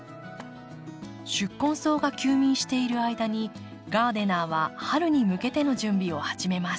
宿根草が休眠している間にガーデナーは春に向けての準備を始めます。